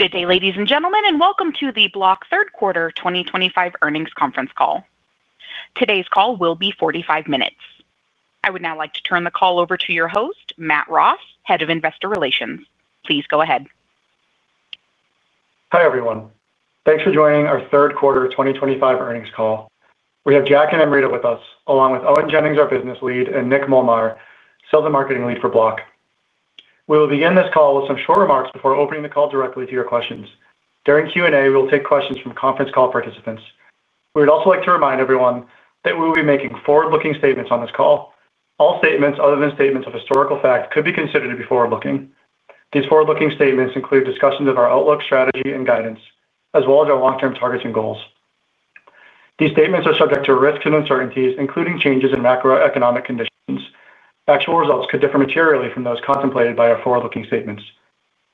Good day, ladies and gentlemen, and welcome to the Block third quarter 2025 earnings conference call. Today's call will be 45 minutes. I would now like to turn the call over to your host, Matt Ross, Head of Investor Relations. Please go ahead. Hi everyone. Thanks for joining our third quarter 2025 earnings call. We have Jack and Amrita with us, along with Owen Jennings, our Business Lead, and Nick Molnar, Sales and Marketing Lead for Block. We will begin this call with some short remarks before opening the call directly to your questions. During Q&A, we will take questions from conference call participants. We would also like to remind everyone that we will be making forward-looking statements on this call. All statements other than statements of historical fact could be considered to be forward-looking. These forward-looking statements include discussions of our outlook, strategy, and guidance, as well as our long-term targets and goals. These statements are subject to risks and uncertainties, including changes in macroeconomic conditions. Actual results could differ materially from those contemplated by our forward-looking statements.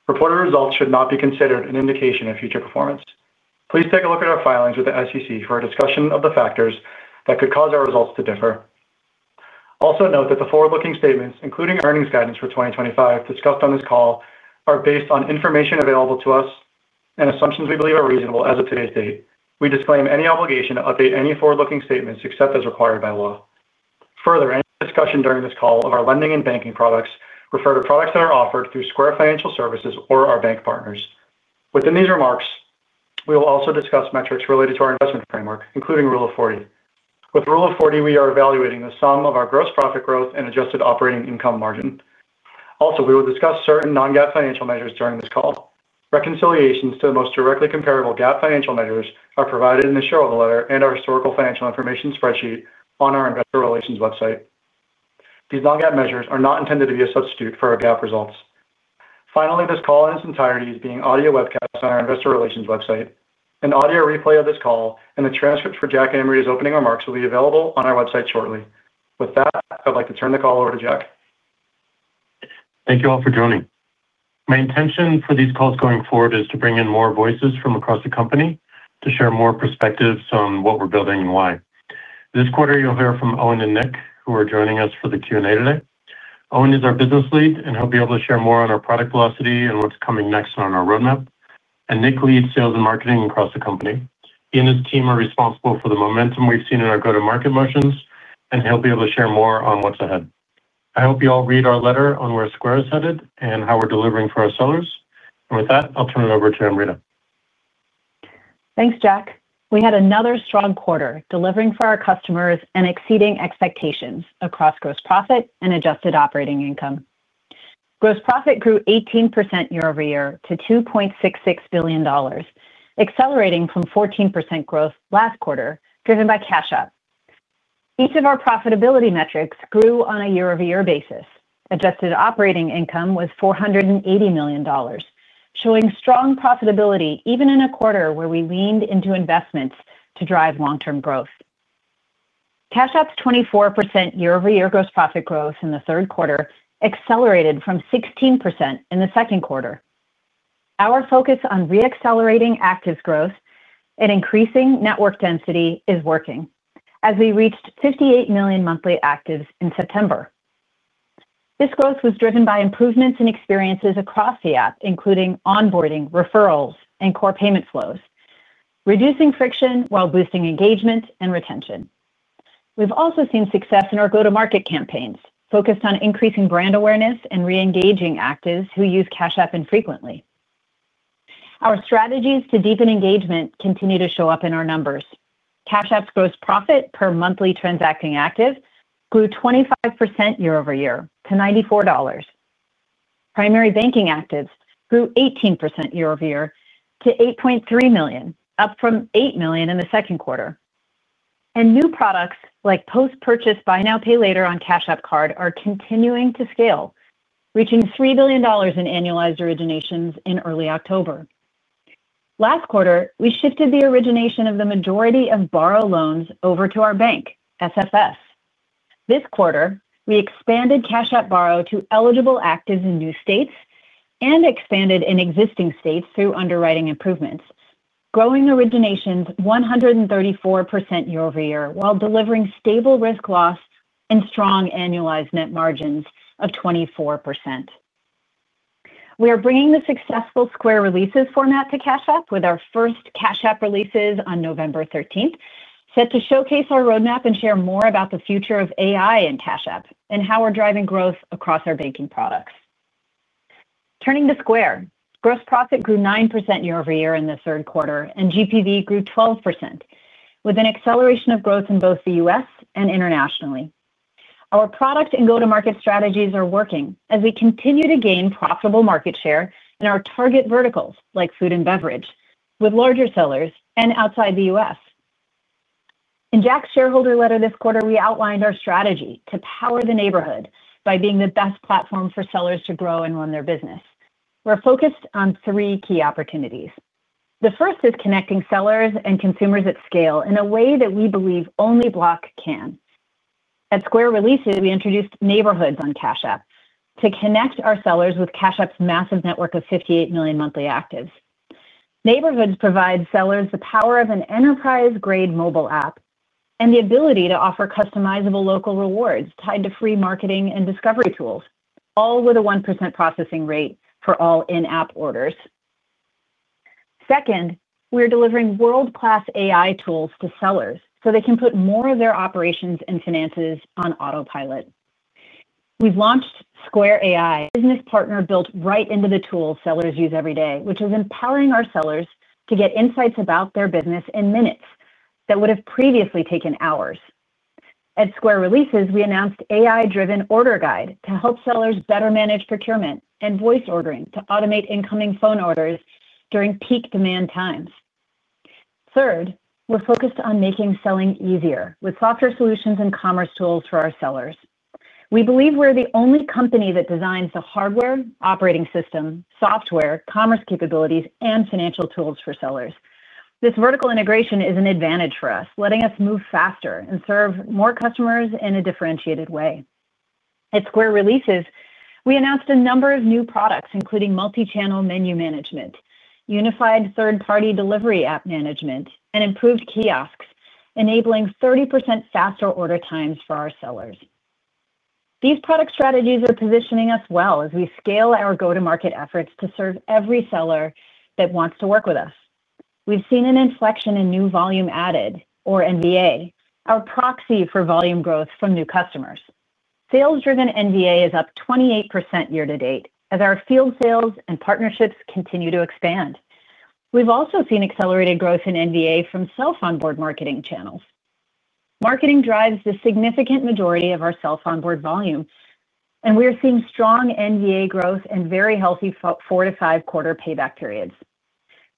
Reported results should not be considered an indication of future performance. Please take a look at our filings with the SEC for a discussion of the factors that could cause our results to differ. Also note that the forward-looking statements, including earnings guidance for 2025 discussed on this call, are based on information available to us and assumptions we believe are reasonable as of today's date. We disclaim any obligation to update any forward-looking statements except as required by law. Further, any discussion during this call of our lending and banking products refers to products that are offered through Square Financial Services or our bank partners. Within these remarks, we will also discuss metrics related to our investment framework, including Rule of 40. With Rule of 40, we are evaluating the sum of our gross profit growth and adjusted operating income margin. Also, we will discuss certain non-GAAP financial measures during this call. Reconciliations to the most directly comparable GAAP financial measures are provided in the shareholder letter and our Historical Financial Information spreadsheet on our Investor Relations website. These non-GAAP measures are not intended to be a substitute for our GAAP results. Finally, this call in its entirety is being audio-webcast on our Investor Relations website. An audio replay of this call and the transcript for Jack and Amrita's opening remarks will be available on our website shortly. With that, I'd like to turn the call over to Jack. Thank you all for joining. My intention for these calls going forward is to bring in more voices from across the company to share more perspectives on what we're building and why. This quarter, you'll hear from Owen and Nick, who are joining us for the Q&A today. Owen is our Business Lead, and he'll be able to share more on our product velocity and what's coming next on our roadmap. And Nick leads sales and marketing across the company. He and his team are responsible for the momentum we've seen in our go-to-market motions, and he'll be able to share more on what's ahead. I hope you all read our letter on where Square is headed and how we're delivering for our sellers. And with that, I'll turn it over to Amrita. Thanks, Jack. We had another strong quarter, delivering for our customers and exceeding expectations across gross profit and adjusted operating income. Gross profit grew 18% year-over-year to $2.66 billion, accelerating from 14% growth last quarter, driven by Cash-up. Each of our profitability metrics grew on a year-over-year basis. Adjusted operating income was $480 million, showing strong profitability even in a quarter where we leaned into investments to drive long-term growth. Cash-up's 24% year-over-year gross profit growth in the third quarter accelerated from 16% in the second quarter. Our focus on re-accelerating active growth and increasing network density is working, as we reached 58 million monthly actives in September. This growth was driven by improvements in experiences across the app, including onboarding, referrals, and core payment flows, reducing friction while boosting engagement and retention. We've also seen success in our go-to-market campaigns, focused on increasing brand awareness and re-engaging actives who use Cash-up infrequently. Our strategies to deepen engagement continue to show up in our numbers. Cash-up's gross profit per monthly transacting active grew 25% year-over-year to $94. Primary banking actives grew 18% year-over-year to 8.3 million, up from 8 million in the second quarter. And new products like post-purchase buy now, pay later on Cash-up card are continuing to scale, reaching $3 billion in annualized originations in early October. Last quarter, we shifted the origination of the majority of borrow loans over to our bank, SFS. This quarter, we expanded Cash-up borrow to eligible actives in new states and expanded in existing states through underwriting improvements, growing originations 134% year-over-year while delivering stable risk loss and strong annualized net margins of 24%. We are bringing the successful Square releases format to Cash-up with our first Cash-up releases on November 13th, set to showcase our roadmap and share more about the future of AI in Cash-up and how we're driving growth across our banking products. Turning to Square, gross profit grew 9% year-over-year in the third quarter, and GPV grew 12%, with an acceleration of growth in both the U.S. and internationally. Our product and go-to-market strategies are working as we continue to gain profitable market share in our target verticals like food and beverage, with larger sellers and outside the U.S. In Jack's shareholder letter this quarter, we outlined our strategy to power the neighborhood by being the best platform for sellers to grow and run their business. We're focused on three key opportunities. The first is connecting sellers and consumers at scale in a way that we believe only Block can. At Square releases, we introduced Neighborhoods on Cash-up to connect our sellers with Cash-up's massive network of 58 million monthly actives. Neighborhoods provides sellers the power of an enterprise-grade mobile app and the ability to offer customizable local rewards tied to free marketing and discovery tools, all with a 1% processing rate for all in-app orders. Second, we're delivering world-class AI tools to sellers so they can put more of their operations and finances on autopilot. We've launched Square AI, a business partner built right into the tools sellers use every day, which is empowering our sellers to get insights about their business in minutes that would have previously taken hours. At Square releases, we announced an AI-driven order guide to help sellers better manage procurement and voice ordering to automate incoming phone orders during peak demand times. Third, we're focused on making selling easier with software solutions and commerce tools for our sellers. We believe we're the only company that designs the hardware, operating system, software, commerce capabilities, and financial tools for sellers. This vertical integration is an advantage for us, letting us move faster and serve more customers in a differentiated way. At Square releases, we announced a number of new products, including multi-channel menu management, unified third-party delivery app management, and improved kiosks, enabling 30% faster order times for our sellers. These product strategies are positioning us well as we scale our go-to-market efforts to serve every seller that wants to work with us. We've seen an inflection in new volume added, or NVA, our proxy for volume growth from new customers. Sales-driven NVA is up 28% year to date as our field sales and partnerships continue to expand. We've also seen accelerated growth in NVA from self-onboard marketing channels. Marketing drives the significant majority of our self-onboard volume, and we are seeing strong NVA growth and very healthy four to five-quarter payback periods.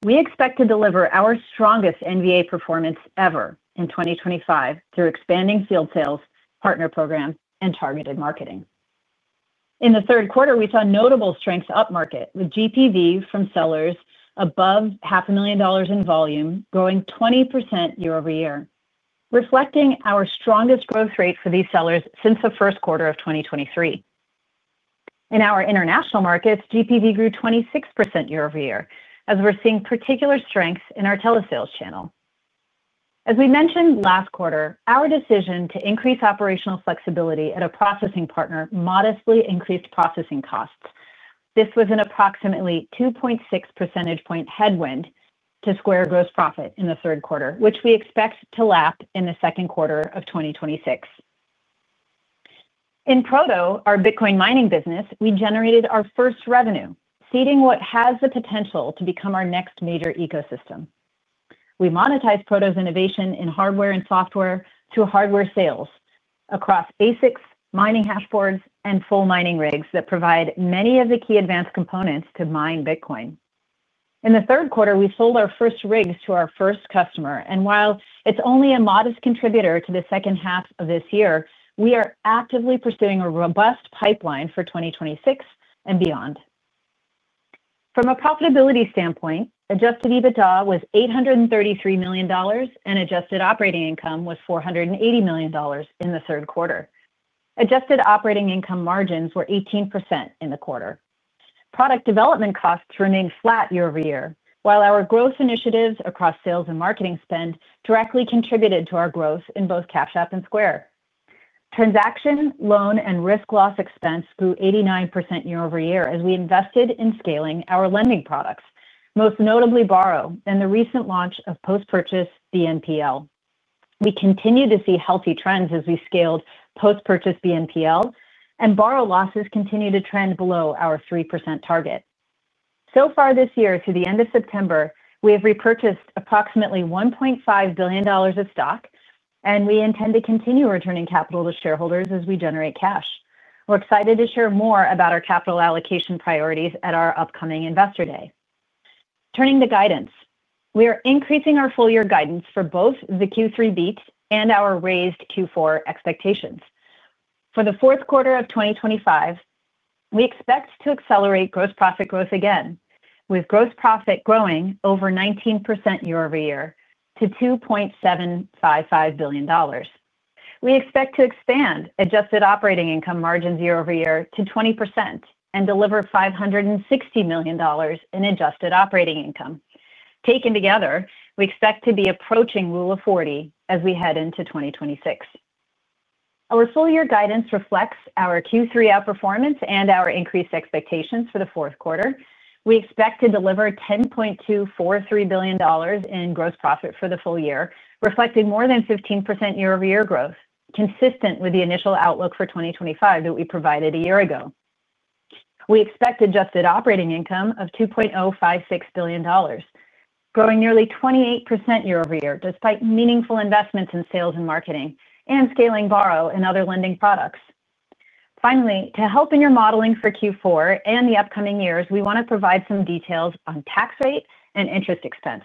We expect to deliver our strongest NVA performance ever in 2025 through expanding field sales, partner program, and targeted marketing. In the third quarter, we saw notable strengths up market, with GPV from sellers above half a million dollars in volume, growing 20% year-over-year, reflecting our strongest growth rate for these sellers since the first quarter of 2023. In our international markets, GPV grew 26% year-over-year, as we're seeing particular strengths in our telesales channel. As we mentioned last quarter, our decision to increase operational flexibility at a processing partner modestly increased processing costs. This was an approximately 2.6% point headwind to Square gross profit in the third quarter, which we expect to lap in the second quarter of 2026. In Proto, our Bitcoin mining business, we generated our first revenue, seeding what has the potential to become our next major ecosystem. We monetized Proto's innovation in hardware and software through hardware sales across ASICs, mining hashboards, and full mining rigs that provide many of the key advanced components to mine Bitcoin. In the third quarter, we sold our first rigs to our first customer. And while it's only a modest contributor to the second half of this year, we are actively pursuing a robust pipeline for 2026 and beyond. From a profitability standpoint, Adjusted EBITDA was $833 million, and adjusted operating income was $480 million in the third quarter. Adjusted operating income margins were 18% in the quarter. Product development costs remained flat year-over-year, while our growth initiatives across sales and marketing spend directly contributed to our growth in both Cash-up and Square. Transaction, loan, and risk loss expense grew 89% year-over-year as we invested in scaling our lending products, most notably borrow, and the recent launch of post-purchase BNPL. We continue to see healthy trends as we scaled post-purchase BNPL, and borrow losses continue to trend below our 3% target. So far this year, to the end of September, we have repurchased approximately $1.5 billion of stock, and we intend to continue returning capital to shareholders as we generate cash. We're excited to share more about our capital allocation priorities at our upcoming Investor Day. Turning to guidance, we are increasing our full-year guidance for both the Q3 beat and our raised Q4 expectations. For the fourth quarter of 2025, we expect to accelerate gross profit growth again, with gross profit growing over 19% year-over-year to $2.755 billion. We expect to expand adjusted operating income margins year-over-year to 20% and deliver $560 million in adjusted operating income. Taken together, we expect to be approaching Rule of 40 as we head into 2026. Our full-year guidance reflects our Q3 outperformance and our increased expectations for the fourth quarter. We expect to deliver $10.243 billion in gross profit for the full year, reflecting more than 15% year-over-year growth, consistent with the initial outlook for 2025 that we provided a year ago. We expect adjusted operating income of $2.056 billion, growing nearly 28% year-over-year, despite meaningful investments in sales and marketing and scaling borrow and other lending products. Finally, to help in your modeling for Q4 and the upcoming years, we want to provide some details on tax rate and interest expense.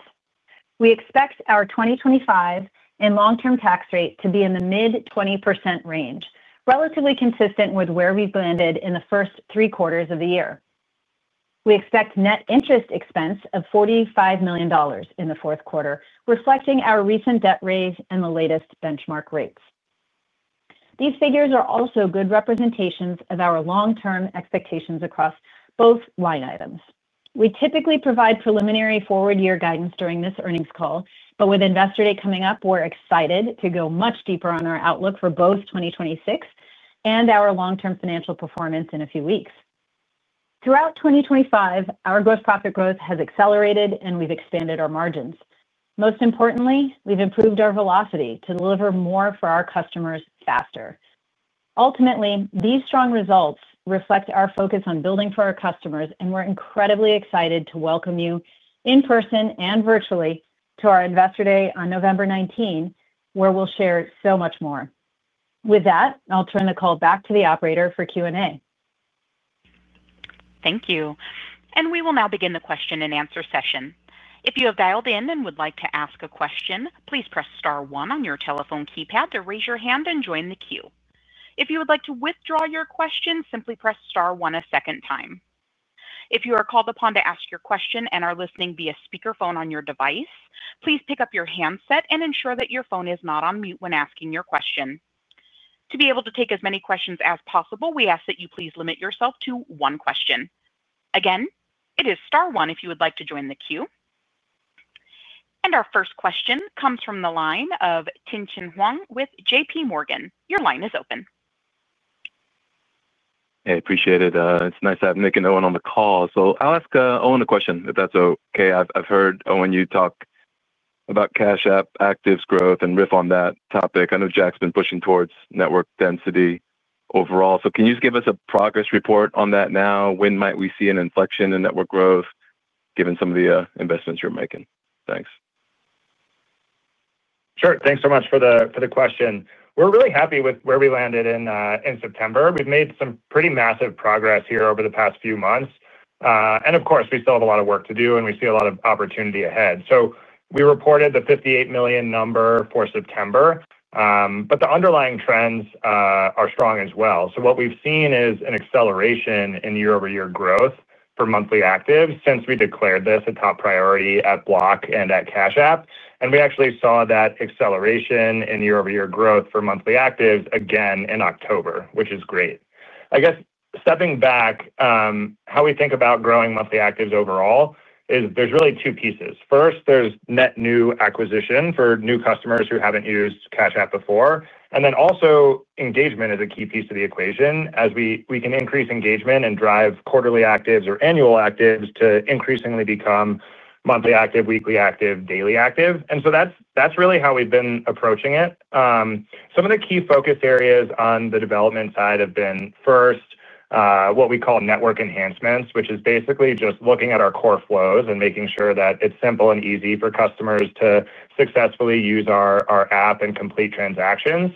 We expect our 2025 and long-term tax rate to be in the mid-20% range, relatively consistent with where we've landed in the first three quarters of the year. We expect net interest expense of $45 million in the fourth quarter, reflecting our recent debt raise and the latest benchmark rates. These figures are also good representations of our long-term expectations across both line items. We typically provide preliminary forward-year guidance during this earnings call, but with Investor Day coming up, we're excited to go much deeper on our outlook for both 2026 and our long-term financial performance in a few weeks. Throughout 2025, our gross profit growth has accelerated, and we've expanded our margins. Most importantly, we've improved our velocity to deliver more for our customers faster. Ultimately, these strong results reflect our focus on building for our customers, and we're incredibly excited to welcome you in person and virtually to our Investor Day on November 19, where we'll share so much more. With that, I'll turn the call back to the operator for Q&A. Thank you. And we will now begin the question-and-answer session. If you have dialed in and would like to ask a question, please press star one on your telephone keypad to raise your hand and join the queue. If you would like to withdraw your question, simply press star one a second time. If you are called upon to ask your question and are listening via speakerphone on your device, please pick up your handset and ensure that your phone is not on mute when asking your question. To be able to take as many questions as possible, we ask that you please limit yourself to one question. Again, it is star one if you would like to join the queue. And our first question comes from the line of Tien-Tsin Huang with JPMorgan. Your line is open. Hey, appreciate it. It's nice to have Nick and Owen on the call. So I'll ask Owen a question, if that's okay. I've heard Owen, you talk about Cash-up, actives growth, and RIF on that topic. I know Jack's been pushing towards network density overall. So can you just give us a progress report on that now? When might we see an inflection in network growth, given some of the investments you're making? Thanks. Sure. Thanks so much for the question. We're really happy with where we landed in September. We've made some pretty massive progress here over the past few months. And of course, we still have a lot of work to do, and we see a lot of opportunity ahead. So we reported the 58 million number for September. But the underlying trends are strong as well. So what we've seen is an acceleration in year-over-year growth for monthly actives since we declared this a top priority at Block and at Cash-up. And we actually saw that acceleration in year-over-year growth for monthly actives again in October, which is great. I guess stepping back. How we think about growing monthly actives overall is there's really two pieces. First, there's net new acquisition for new customers who haven't used Cash-up before. And then also, engagement is a key piece of the equation, as we can increase engagement and drive quarterly actives or annual actives to increasingly become monthly active, weekly active, daily active. And so that's really how we've been approaching it. Some of the key focus areas on the development side have been, first, what we call network enhancements, which is basically just looking at our core flows and making sure that it's simple and easy for customers to successfully use our app and complete transactions.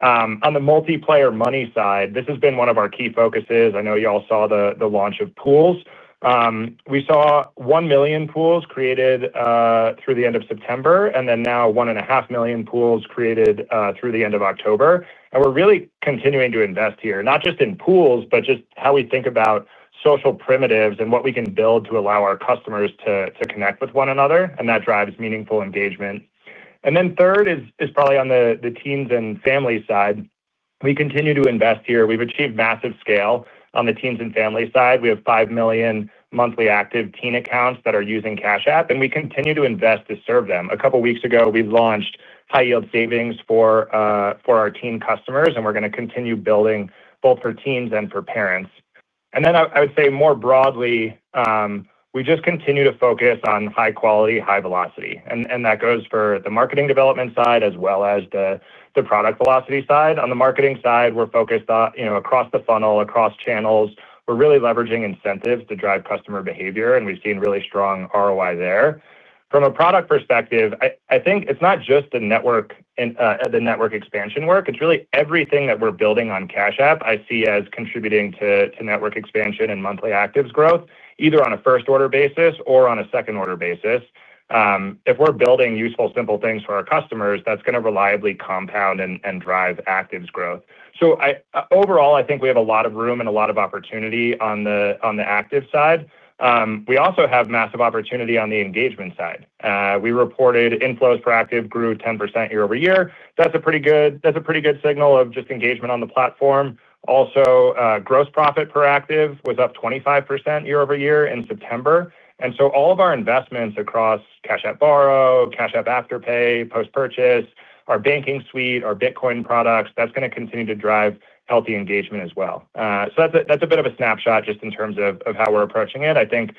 On the multiplayer money side, this has been one of our key focuses. I know you all saw the launch of pools. We saw 1 million pools created through the end of September, and then now 1.5 million pools created through the end of October. And we're really continuing to invest here, not just in pools, but just how we think about social primitives and what we can build to allow our customers to connect with one another. And that drives meaningful engagement. And then third is probably on the teens and family side. We continue to invest here. We've achieved massive scale on the teens and family side. We have 5 million monthly active teen accounts that are using Cash-up, and we continue to invest to serve them. A couple of weeks ago, we launched high-yield savings for our teen customers, and we're going to continue building both for teens and for parents. And then I would say more broadly. We just continue to focus on high quality, high velocity. And that goes for the marketing development side as well as the product velocity side. On the marketing side, we're focused across the funnel, across channels. We're really leveraging incentives to drive customer behavior, and we've seen really strong ROI there. From a product perspective, I think it's not just the network. Expansion work. It's really everything that we're building on Cash-up I see as contributing to network expansion and monthly actives growth, either on a first-order basis or on a second-order basis. If we're building useful, simple things for our customers, that's going to reliably compound and drive actives growth. So overall, I think we have a lot of room and a lot of opportunity on the active side. We also have massive opportunity on the engagement side. We reported inflows per active grew 10% year-over-year. That's a pretty good signal of just engagement on the platform. Also, gross profit per active was up 25% year-over-year in September. And so all of our investments across Cash-up Borrow, Cash-up Afterpay, post-purchase, our banking suite, our Bitcoin products, that's going to continue to drive healthy engagement as well. So that's a bit of a snapshot just in terms of how we're approaching it. I think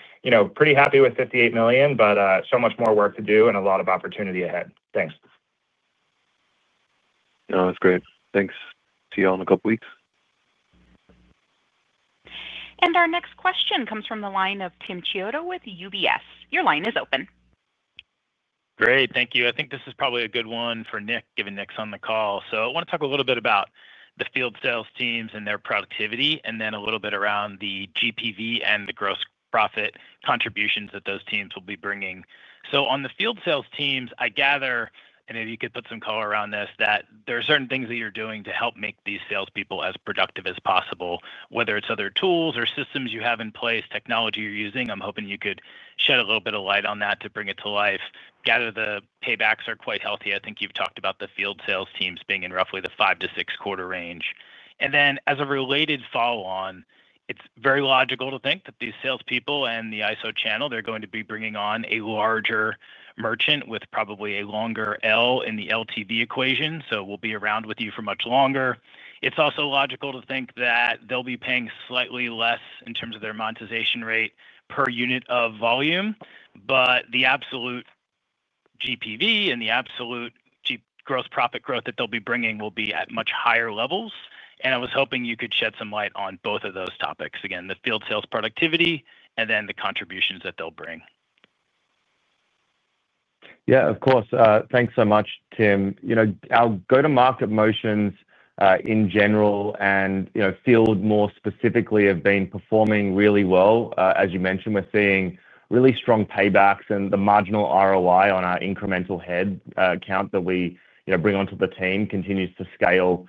pretty happy with 58 million, but so much more work to do and a lot of opportunity ahead. Thanks. No, that's great. Thanks. See you all in a couple of weeks. And our next question comes from the line of Tim Chioda with UBS. Your line is open. Great. Thank you. I think this is probably a good one for Nick, given Nick's on the call. So I want to talk a little bit about the field sales teams and their productivity, and then a little bit around the GPV and the gross profit contributions that those teams will be bringing. So on the field sales teams, I gather, and if you could put some color around this, that there are certain things that you're doing to help make these salespeople as productive as possible, whether it's other tools or systems you have in place, technology you're using. I'm hoping you could shed a little bit of light on that to bring it to life. Gather the paybacks are quite healthy. I think you've talked about the field sales teams being in roughly the five to six-quarter range. And then as a related follow-on, it's very logical to think that these salespeople and the ISO channel, they're going to be bringing on a larger merchant with probably a longer L in the LTV equation, so we'll be around with you for much longer. It's also logical to think that they'll be paying slightly less in terms of their monetization rate per unit of volume, but the absolute. GPV and the absolute. Gross profit growth that they'll be bringing will be at much higher levels. And I was hoping you could shed some light on both of those topics, again, the field sales productivity and then the contributions that they'll bring. Yeah, of course. Thanks so much, Tim. Our go-to-market motions in general and field more specifically have been performing really well. As you mentioned, we're seeing really strong paybacks, and the marginal ROI on our incremental head count that we bring onto the team continues to scale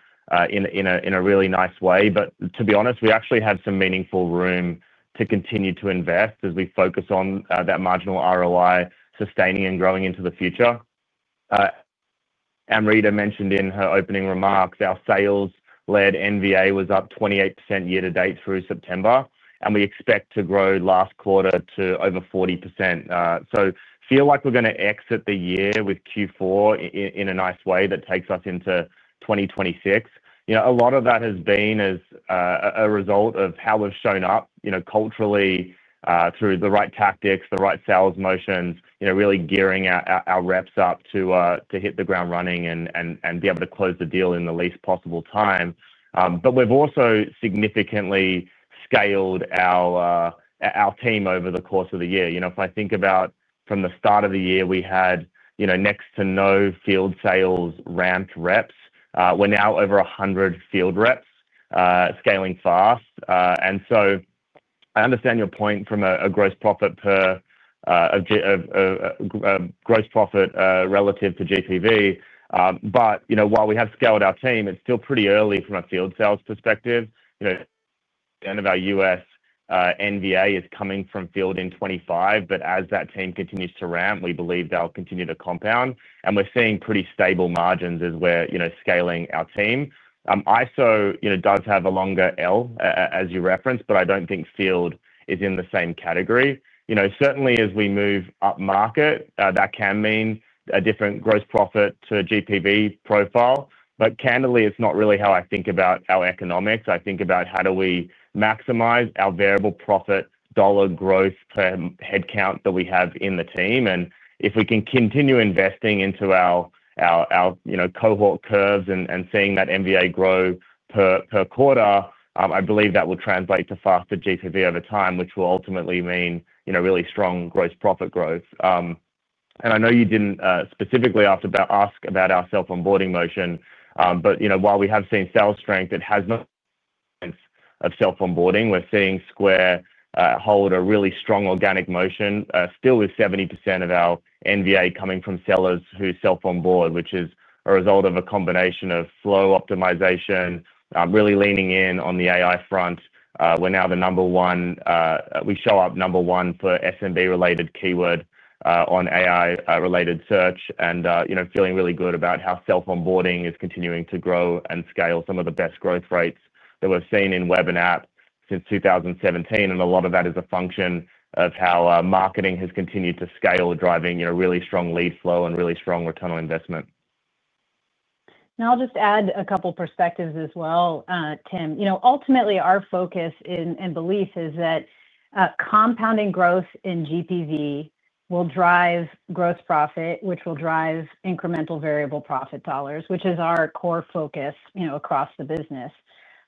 in a really nice way. But to be honest, we actually have some meaningful room to continue to invest as we focus on that marginal ROI sustaining and growing into the future. Amrita mentioned in her opening remarks, our sales-led NVA was up 28% year to date through September, and we expect to grow last quarter to over 40%. So I feel like we're going to exit the year with Q4 in a nice way that takes us into 2026. A lot of that has been as a result of how we've shown up culturally through the right tactics, the right sales motions, really gearing our reps up to hit the ground running and be able to close the deal in the least possible time. But we've also significantly scaled our. Team over the course of the year. If I think about from the start of the year, we had next to no field sales ramped reps. We're now over 100 field reps scaling fast. And so I understand your point from a. Gross profit relative to GPV. But while we have scaled our team, it's still pretty early from a field sales perspective. The end of our U.S. NVA is coming from field in '25, but as that team continues to ramp, we believe they'll continue to compound. And we're seeing pretty stable margins as we're scaling our team. ISO does have a longer L, as you referenced, but I don't think field is in the same category. Certainly, as we move up market, that can mean a different gross profit to GPV profile. But candidly, it's not really how I think about our economics. I think about how do we maximize our variable profit dollar growth per headcount that we have in the team. And if we can continue investing into our. Cohort curves and seeing that NVA grow per quarter, I believe that will translate to faster GPV over time, which will ultimately mean really strong gross profit growth. And I know you didn't specifically ask about our self-onboarding motion, but while we have seen sales strength, it hasn't. Of self-onboarding. We're seeing Square hold a really strong organic motion, still with 70% of our NVA coming from sellers who self-onboard, which is a result of a combination of flow optimization, really leaning in on the AI front. We're now the number one; we show up number one for SMB-related keyword on AI-related search and feeling really good about how self-onboarding is continuing to grow and scale some of the best growth rates that we've seen in web and app since 2017. And a lot of that is a function of how marketing has continued to scale, driving really strong lead flow and really strong return on investment. Now, I'll just add a couple of perspectives as well, Tim. Ultimately, our focus and belief is that. Compounding growth in GPV will drive gross profit, which will drive incremental variable profit dollars, which is our core focus across the business.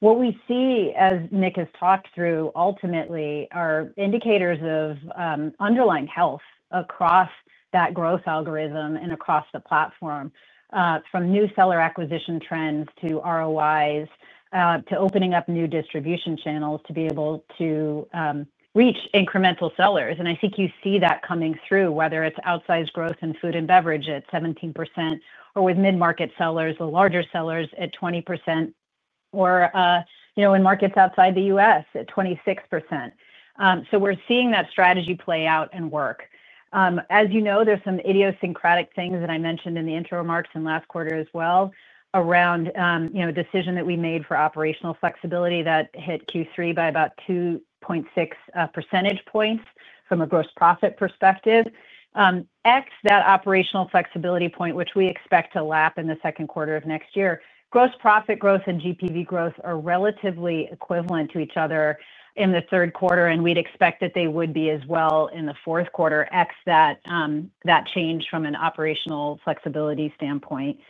What we see, as Nick has talked through, ultimately are indicators of. Underlying health across that growth algorithm and across the platform. From new seller acquisition trends to ROIs to opening up new distribution channels to be able to. Reach incremental sellers. And I think you see that coming through, whether it's outsized growth in food and beverage at 17% or with mid-market sellers, the larger sellers at 20%. Or in markets outside the U.S. at 26%. So we're seeing that strategy play out and work. As you know, there's some idiosyncratic things that I mentioned in the interim remarks in last quarter as well around. A decision that we made for operational flexibility that hit Q3 by about 2.6 percentage points from a gross profit perspective. X, that operational flexibility point, which we expect to lap in the second quarter of next year, gross profit growth and GPV growth are relatively equivalent to each other in the third quarter, and we'd expect that they would be as well in the fourth quarter, X that. Change from an operational flexibility standpoint.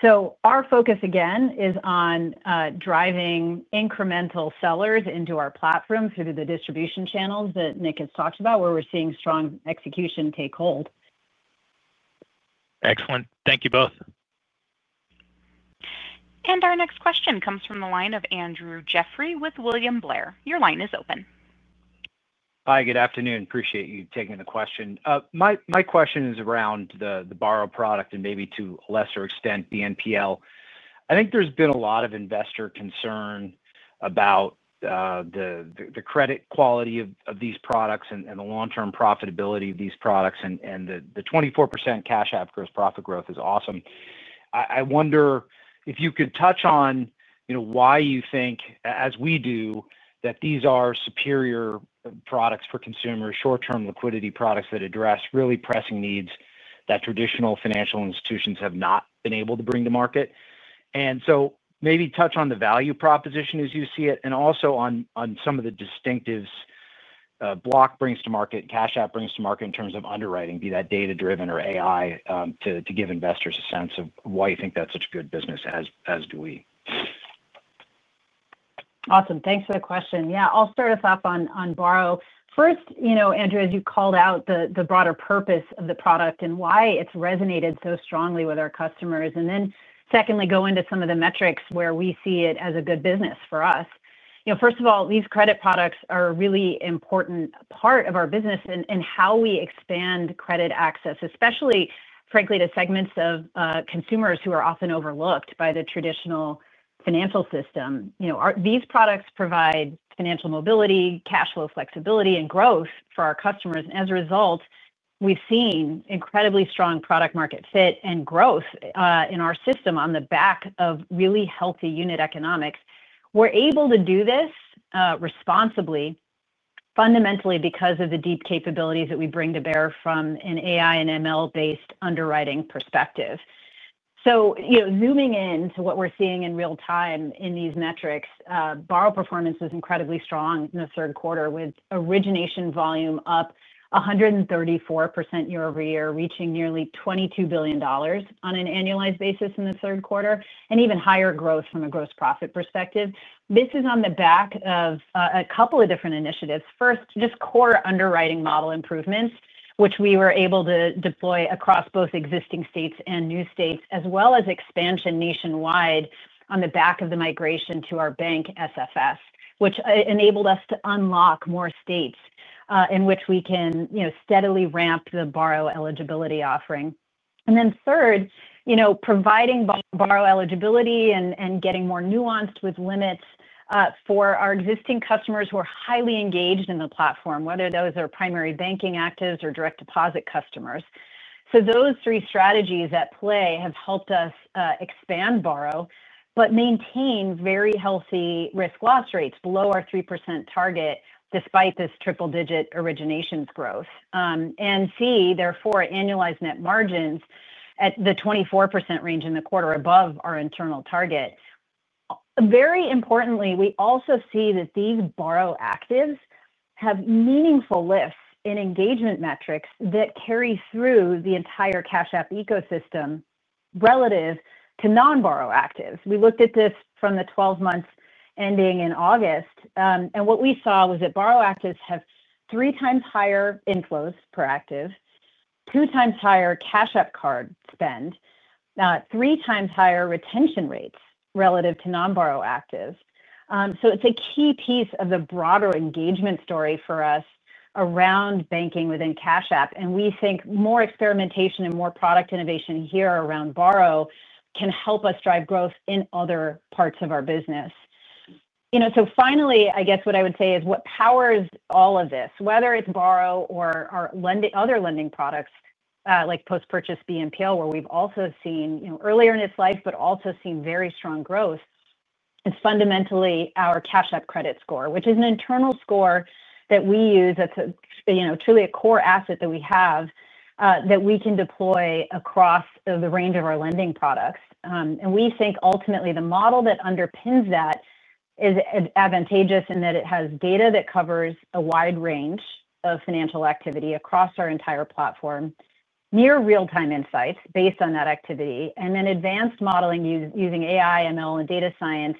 So our focus, again, is on driving incremental sellers into our platform through the distribution channels that Nick has talked about, where we're seeing strong execution take hold. Excellent. Thank you both. And our next question comes from the line of Andrew Jeffrey with William Blair. Your line is open. Hi, good afternoon. Appreciate you taking the question. My question is around the borrow product and maybe to a lesser extent, the NPL. I think there's been a lot of investor concern about. The credit quality of these products and the long-term profitability of these products. And the 24% Cash-up gross profit growth is awesome. I wonder if you could touch on. Why you think, as we do, that these are superior products for consumers, short-term liquidity products that address really pressing needs that traditional financial institutions have not been able to bring to market. And so maybe touch on the value proposition as you see it, and also on some of the distinctives. Block brings to market, Cash-up brings to market in terms of underwriting, be that data-driven or AI, to give investors a sense of why you think that's such a good business as do we. Awesome. Thanks for the question. Yeah, I'll start us off on borrow. First, Andrew, as you called out the broader purpose of the product and why it's resonated so strongly with our customers. And then secondly, go into some of the metrics where we see it as a good business for us. First of all, these credit products are a really important part of our business in how we expand credit access, especially, frankly, to segments of consumers who are often overlooked by the traditional financial system. These products provide financial mobility, cash flow flexibility, and growth for our customers. And as a result, we've seen incredibly strong product-market fit and growth in our system on the back of really healthy unit economics. We're able to do this. Responsibly. Fundamentally because of the deep capabilities that we bring to bear from an AI and ML-based underwriting perspective. So zooming in to what we're seeing in real time in these metrics, borrow performance was incredibly strong in the third quarter, with origination volume up 134% year-over-year, reaching nearly $22 billion on an annualized basis in the third quarter, and even higher growth from a gross profit perspective. This is on the back of a couple of different initiatives. First, just core underwriting model improvements, which we were able to deploy across both existing states and new states, as well as expansion nationwide on the back of the migration to our bank SFS, which enabled us to unlock more states in which we can steadily ramp the borrow eligibility offering. And then third. Providing borrow eligibility and getting more nuanced with limits for our existing customers who are highly engaged in the platform, whether those are primary banking actives or direct deposit customers. So those three strategies at play have helped us expand borrow but maintain very healthy risk loss rates below our 3% target despite this triple-digit originations growth. And see, therefore, annualized net margins at the 24% range in the quarter above our internal target. Very importantly, we also see that these borrow actives have meaningful lifts in engagement metrics that carry through the entire Cash-up ecosystem. Relative to non-borrow actives. We looked at this from the 12 months ending in August. And what we saw was that borrow actives have three times higher inflows per active, two times higher Cash-up card spend. Three times higher retention rates relative to non-borrow actives. So it's a key piece of the broader engagement story for us around banking within Cash-up. And we think more experimentation and more product innovation here around borrow can help us drive growth in other parts of our business. So finally, I guess what I would say is what powers all of this, whether it's borrow or our other lending products like post-purchase BNPL, where we've also seen earlier in its life, but also seen very strong growth. Is fundamentally our Cash-up credit score, which is an internal score that we use that's truly a core asset that we have that we can deploy across the range of our lending products. And we think ultimately the model that underpins that is advantageous in that it has data that covers a wide range of financial activity across our entire platform. Near real-time insights based on that activity, and then advanced modeling using AI, ML, and data science.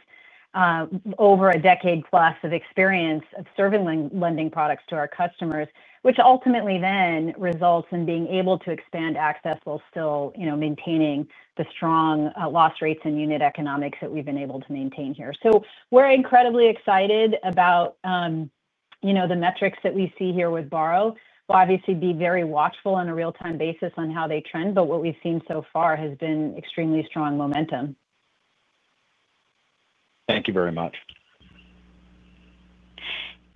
Over a decade-plus of experience of serving lending products to our customers, which ultimately then results in being able to expand access while still maintaining the strong loss rates and unit economics that we've been able to maintain here. So we're incredibly excited about. The metrics that we see here with borrow. We'll obviously be very watchful on a real-time basis on how they trend, but what we've seen so far has been extremely strong momentum. Thank you very much.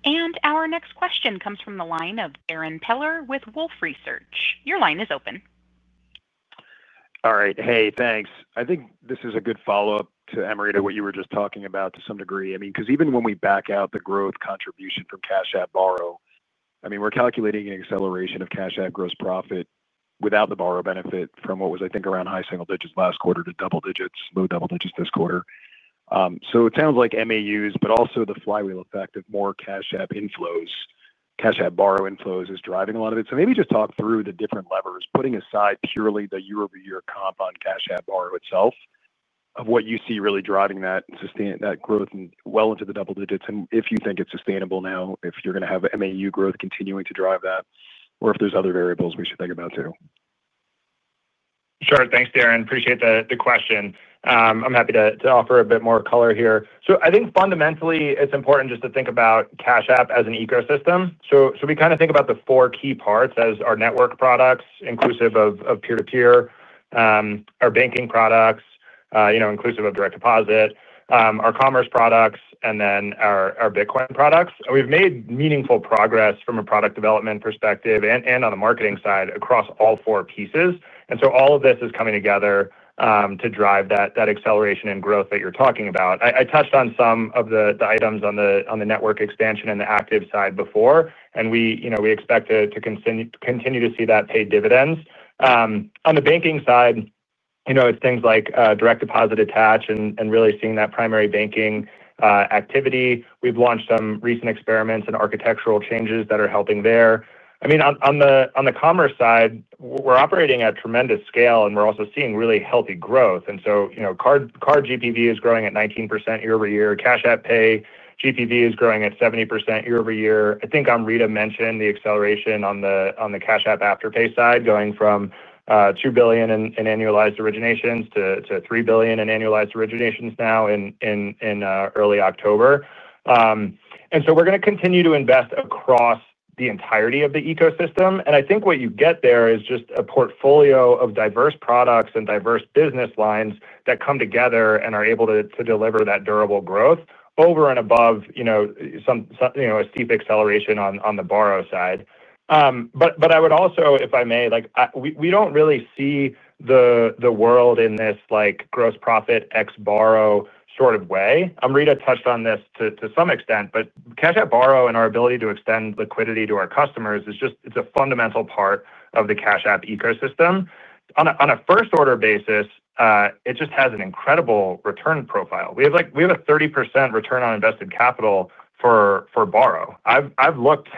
And our next question comes from the line of Darrin Peller with Wolfe Research. Your line is open. All right. Hey, thanks. I think this is a good follow-up to Amrita, what you were just talking about to some degree. I mean, because even when we back out the growth contribution from Cash-up borrow, I mean, we're calculating an acceleration of Cash-up gross profit without the borrow benefit from what was, I think, around high single digits last quarter to double digits, low double digits this quarter. So it sounds like MAUs, but also the flywheel effect of more Cash-up borrow inflows is driving a lot of it. So maybe just talk through the different levers, putting aside purely the year-over-year comp on Cash-up borrow itself, of what you see really driving that growth well into the double digits. And if you think it's sustainable now, if you're going to have MAU growth continuing to drive that, or if there's other variables we should think about too. Sure. Thanks, Darren. Appreciate the question. I'm happy to offer a bit more color here. So I think fundamentally, it's important just to think about Cash-up as an ecosystem. So we kind of think about the four key parts as our network products, inclusive of peer-to-peer. Our banking products, inclusive of direct deposit, our commerce products, and then our Bitcoin products. We've made meaningful progress from a product development perspective and on the marketing side across all four pieces. And so all of this is coming together to drive that acceleration and growth that you're talking about. I touched on some of the items on the network expansion and the active side before, and we expect to continue to see that pay dividends. On the banking side, it's things like direct deposit attached and really seeing that primary banking activity. We've launched some recent experiments and architectural changes that are helping there. I mean, on the commerce side, we're operating at tremendous scale, and we're also seeing really healthy growth. And so card GPV is growing at 19% year-over-year. Cash-up pay GPV is growing at 70% year-over-year. I think Amrita mentioned the acceleration on the Cash-up after-pay side, going from. 2 billion in annualized originations to 3 billion in annualized originations now in early October. And so we're going to continue to invest across the entirety of the ecosystem. And I think what you get there is just a portfolio of diverse products and diverse business lines that come together and are able to deliver that durable growth over and above. A steep acceleration on the borrow side. But I would also, if I may, we don't really see the world in this gross profit x borrow sort of way. Amrita touched on this to some extent, but Cash-up borrow and our ability to extend liquidity to our customers is just a fundamental part of the Cash-up ecosystem. On a first-order basis, it just has an incredible return profile. We have a 30% return on invested capital for borrow. I've looked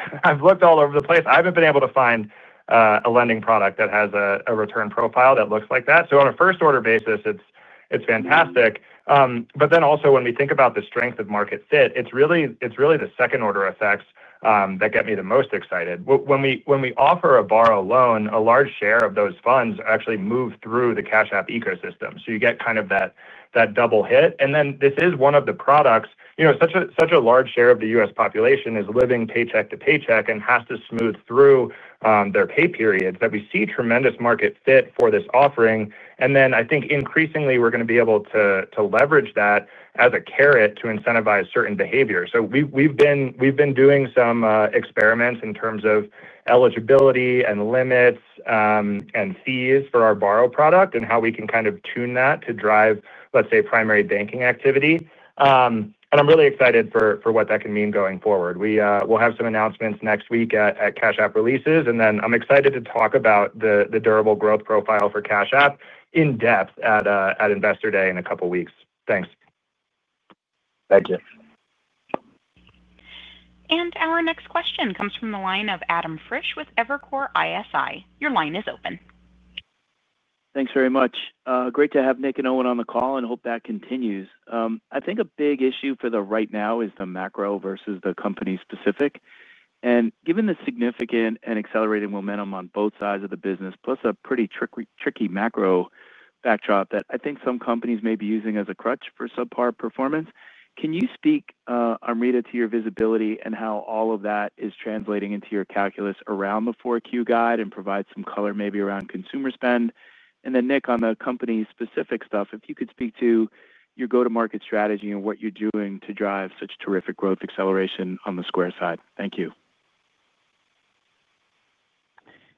all over the place. I haven't been able to find. A lending product that has a return profile that looks like that. So on a first-order basis, it's fantastic. But then also, when we think about the strength of market fit, it's really the second-order effects that get me the most excited. When we offer a borrow loan, a large share of those funds actually move through the Cash-up ecosystem. So you get kind of that double hit. And then this is one of the products. Such a large share of the U.S. population is living paycheck to paycheck and has to smooth through. Their pay periods that we see tremendous market fit for this offering. And then I think increasingly, we're going to be able to leverage that as a carrot to incentivize certain behaviors. So we've been doing some experiments in terms of eligibility and limits. And fees for our borrow product and how we can kind of tune that to drive, let's say, primary banking activity. And I'm really excited for what that can mean going forward. We'll have some announcements next week at Cash-up releases. And then I'm excited to talk about the durable growth profile for Cash-up in depth at Investor Day in a couple of weeks. Thanks. Thank you. And our next question comes from the line of Adam Frisch with Evercore ISI. Your line is open. Thanks very much. Great to have Nick and Owen on the call and hope that continues. I think a big issue for the right now is the macro versus the company-specific. And given the significant and accelerating momentum on both sides of the business, plus a pretty tricky macro backdrop that I think some companies may be using as a crutch for subpar performance, can you speak, Amrita, to your visibility and how all of that is translating into your calculus around the four-queue guide and provide some color maybe around consumer spend? And then, Nick, on the company-specific stuff, if you could speak to your go-to-market strategy and what you're doing to drive such terrific growth acceleration on the Square side. Thank you.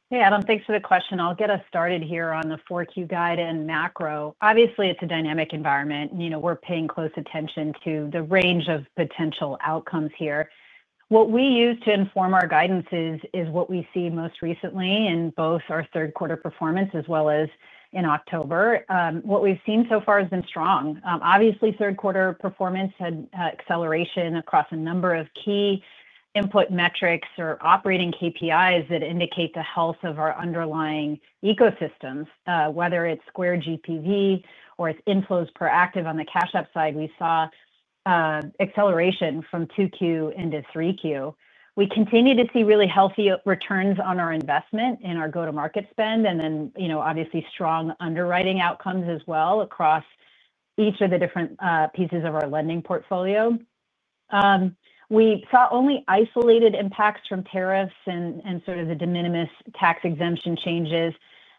Hey, Adam. Thanks for the question. I'll get us started here on the four-queue guide and macro. Obviously, it's a dynamic environment. We're paying close attention to the range of potential outcomes here. What we use to inform our guidances is what we see most recently in both our third-quarter performance as well as in October. What we've seen so far has been strong. Obviously, third-quarter performance had acceleration across a number of key input metrics or operating KPIs that indicate the health of our underlying ecosystems, whether it's Square GPV or it's inflows per active on the Cash-up side. We saw. Acceleration from two-queue into three-queue. We continue to see really healthy returns on our investment in our go-to-market spend and then obviously strong underwriting outcomes as well across each of the different pieces of our lending portfolio. We saw only isolated impacts from tariffs and sort of the de minimis tax exemption changes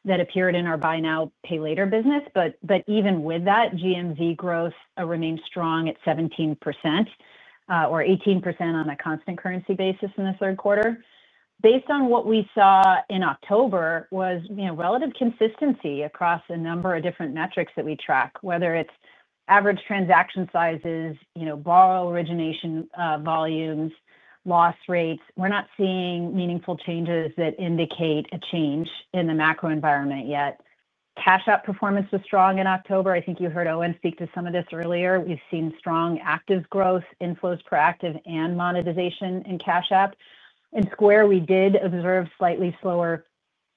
that appeared in our buy now, pay later business. But even with that, GMV growth remained strong at 17%. Or 18% on a constant currency basis in the third quarter. Based on what we saw in October was relative consistency across a number of different metrics that we track, whether it's average transaction sizes, borrow origination volumes, loss rates. We're not seeing meaningful changes that indicate a change in the macro environment yet. Cash-up performance was strong in October. I think you heard Owen speak to some of this earlier. We've seen strong active growth, inflows per active, and monetization in Cash-up. In Square, we did observe slightly slower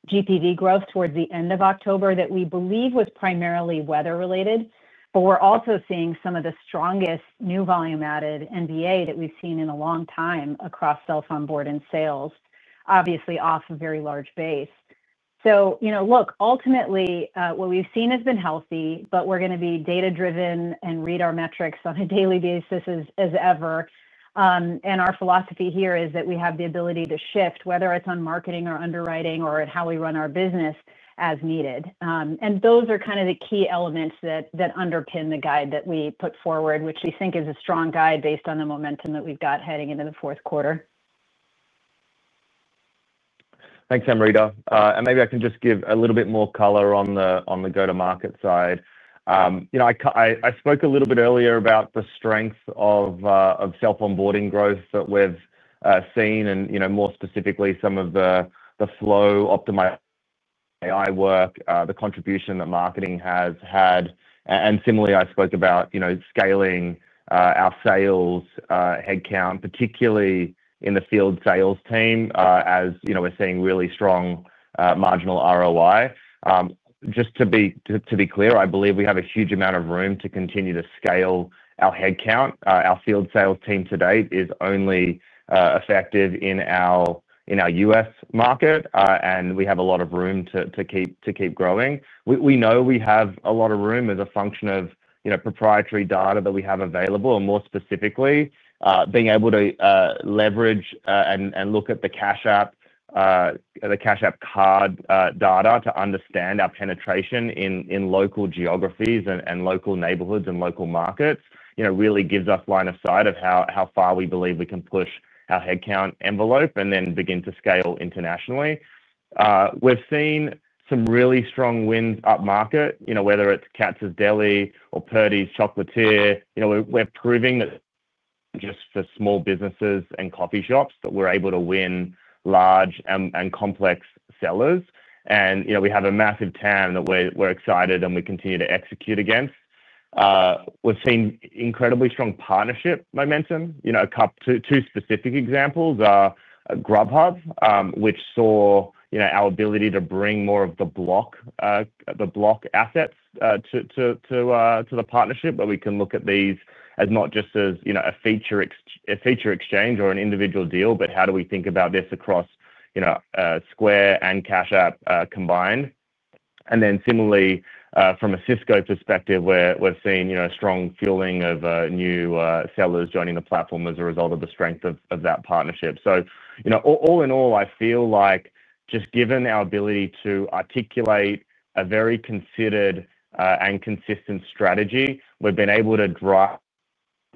GPV growth towards the end of October that we believe was primarily weather-related. But we're also seeing some of the strongest new volume added NVA that we've seen in a long time across self-onboard and sales, obviously off a very large base. So look, ultimately, what we've seen has been healthy, but we're going to be data-driven and read our metrics on a daily basis as ever. And our philosophy here is that we have the ability to shift, whether it's on marketing or underwriting or how we run our business, as needed. And those are kind of the key elements that underpin the guide that we put forward, which we think is a strong guide based on the momentum that we've got heading into the fourth quarter. Thanks, Amrita. And maybe I can just give a little bit more color on the go-to-market side. I spoke a little bit earlier about the strength of. Self-onboarding growth that we've seen and more specifically some of the flow optimization. AI work, the contribution that marketing has had. And similarly, I spoke about scaling our sales headcount, particularly in the field sales team as we're seeing really strong marginal ROI. Just to be clear, I believe we have a huge amount of room to continue to scale our headcount. Our field sales team to date is only. Effective in our U.S. market, and we have a lot of room to keep growing. We know we have a lot of room as a function of proprietary data that we have available, and more specifically, being able to leverage and look at the Cash-up. Card data to understand our penetration in local geographies and local neighborhoods and local markets really gives us line of sight of how far we believe we can push our headcount envelope and then begin to scale internationally. We've seen some really strong wins up market, whether it's Katz's Deli or Purdy's Chocolatier. We're proving that. Just for small businesses and coffee shops that we're able to win large and complex sellers. And we have a massive tan that we're excited and we continue to execute against. We've seen incredibly strong partnership momentum. Two specific examples are Grubhub, which saw our ability to bring more of the block. Assets to. The partnership. But we can look at these as not just as a feature. Exchange or an individual deal, but how do we think about this across. Square and Cash-up combined? And then similarly, from a Cisco perspective, we've seen a strong fueling of new sellers joining the platform as a result of the strength of that partnership. So all in all, I feel like just given our ability to articulate a very considered and consistent strategy, we've been able to drive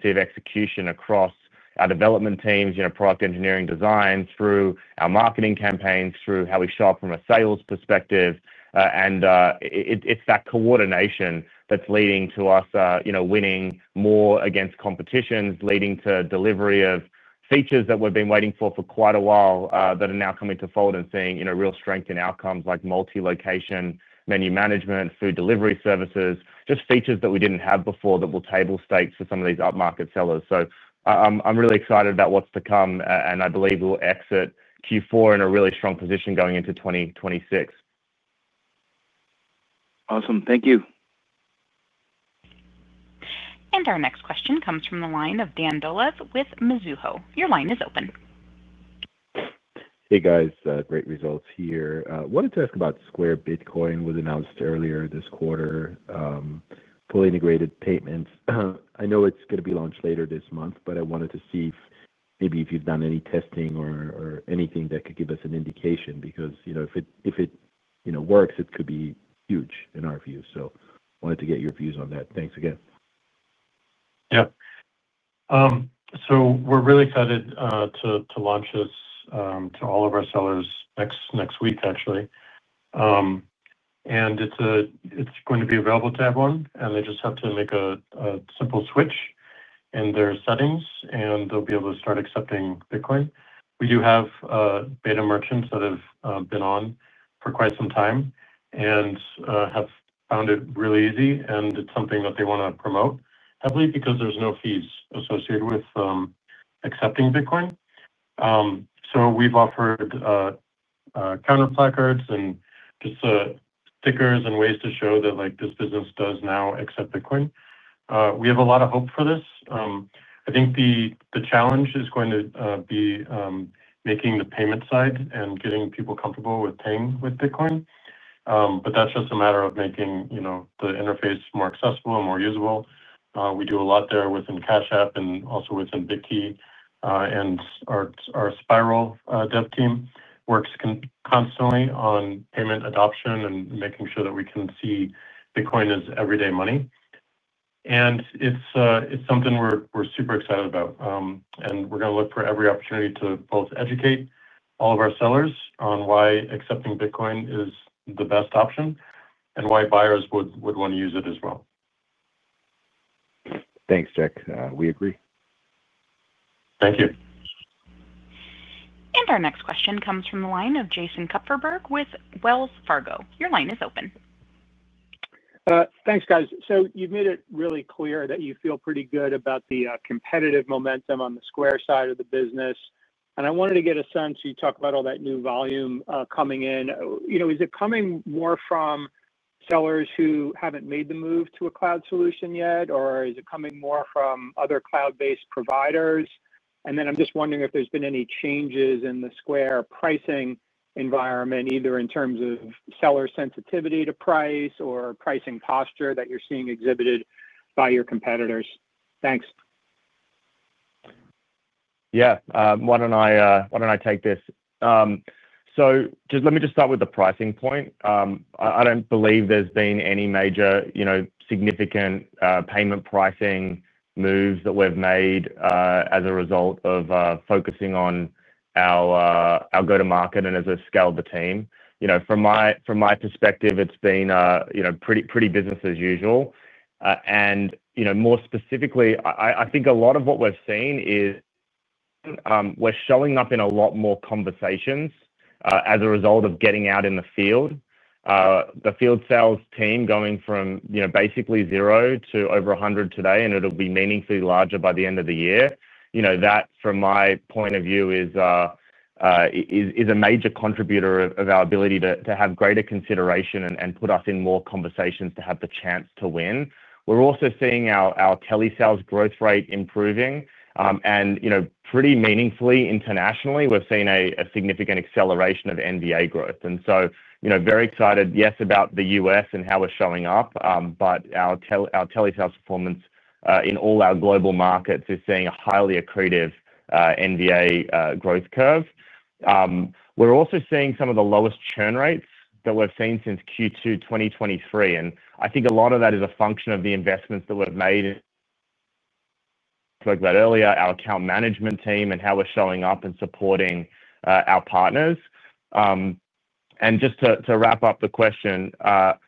execution across our development teams, product engineering design, through our marketing campaigns, through how we shop from a sales perspective. And it's that coordination that's leading to us winning more against competitions, leading to delivery of features that we've been waiting for for quite a while that are now coming to fold and seeing real strength in outcomes like multi-location menu management, food delivery services, just features that we didn't have before that will table stakes for some of these up-market sellers. So I'm really excited about what's to come, and I believe we'll exit Q4 in a really strong position going into 2026. Awesome. Thank you. And our next question comes from the line of Dan Dolev with Mizuho. Your line is open. Hey, guys. Great results here. Wanted to ask about Square Bitcoin was announced earlier this quarter. Fully integrated payments. I know it's going to be launched later this month, but I wanted to see if maybe if you've done any testing or anything that could give us an indication because if it works, it could be huge in our view. So wanted to get your views on that. Thanks again. Yeah. So we're really excited to launch this to all of our sellers next week, actually. And it's going to be available to everyone, and they just have to make a simple switch in their settings, and they'll be able to start accepting Bitcoin. We do have beta merchants that have been on for quite some time and have found it really easy, and it's something that they want to promote heavily because there's no fees associated with. Accepting Bitcoin. So we've offered. Counter-placards and just stickers and ways to show that this business does now accept Bitcoin. We have a lot of hope for this. I think the challenge is going to be making the payment side and getting people comfortable with paying with Bitcoin. But that's just a matter of making the interface more accessible and more usable. We do a lot there within Cash-up and also within Bitkey. And our Spiral Dev team works constantly on payment adoption and making sure that we can see Bitcoin as everyday money. And it's something we're super excited about. And we're going to look for every opportunity to both educate all of our sellers on why accepting Bitcoin is the best option and why buyers would want to use it as well. Thanks, Jack. We agree. Thank you. Our next question comes from the line of Jason Kupferberg with Wells Fargo. Your line is open. Thanks, guys. So you've made it really clear that you feel pretty good about the competitive momentum on the Square side of the business. And I wanted to get a sense you talk about all that new volume coming in. Is it coming more from. Sellers who haven't made the move to a cloud solution yet, or is it coming more from other cloud-based providers? And then I'm just wondering if there's been any changes in the Square pricing environment, either in terms of seller sensitivity to price or pricing posture that you're seeing exhibited by your competitors. Thanks. Yeah. Why don't I take this? So let me just start with the pricing point. I don't believe there's been any major. Significant payment pricing moves that we've made as a result of focusing on our go-to-market and as we've scaled the team. From my perspective, it's been pretty business as usual. And more specifically, I think a lot of what we've seen is. We're showing up in a lot more conversations as a result of getting out in the field. The field sales team going from basically zero to over 100 today, and it'll be meaningfully larger by the end of the year. That, from my point of view, is. A major contributor of our ability to have greater consideration and put us in more conversations to have the chance to win. We're also seeing our Kelly sales growth rate improving. And pretty meaningfully, internationally, we've seen a significant acceleration of NVA growth. And so very excited, yes, about the U.S. and how we're showing up, but our Kelly sales performance in all our global markets is seeing a highly accretive NVA growth curve. We're also seeing some of the lowest churn rates that we've seen since Q2 2023. And I think a lot of that is a function of the investments that we've made. Like that earlier, our account management team and how we're showing up and supporting our partners. And just to wrap up the question. A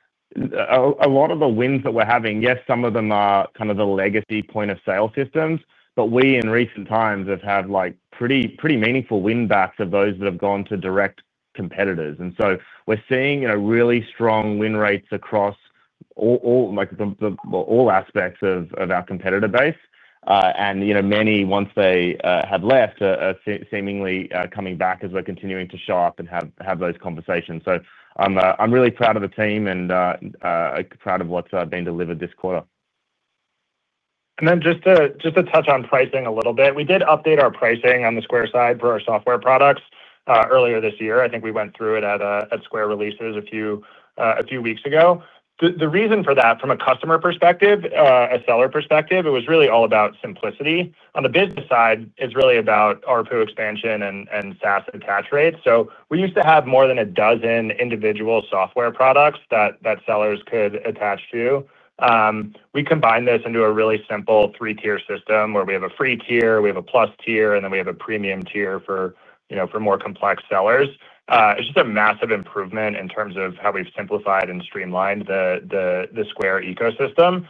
lot of the wins that we're having, yes, some of them are kind of the legacy point of sale systems, but we in recent times have had pretty meaningful win backs of those that have gone to direct competitors. And so we're seeing really strong win rates across. All. Aspects of our competitor base. And many, once they have left, are seemingly coming back as we're continuing to show up and have those conversations. So I'm really proud of the team and. Proud of what's been delivered this quarter. And then just to touch on pricing a little bit, we did update our pricing on the Square side for our software products earlier this year. I think we went through it at Square releases a few weeks ago. The reason for that, from a customer perspective, a seller perspective, it was really all about simplicity. On the business side, it's really about our pool expansion and SaaS attach rates. So we used to have more than a dozen individual software products that sellers could attach to. We combined this into a really simple three-tier system where we have a free tier, we have a plus tier, and then we have a premium tier for. More complex sellers. It's just a massive improvement in terms of how we've simplified and streamlined the Square ecosystem.